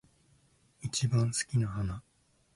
一番好きな花